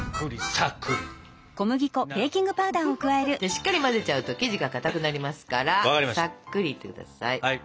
しっかり混ぜちゃうと生地がかたくなりますからさっくりいって下さい。